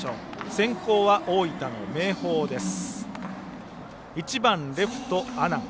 先攻は大分の明豊です。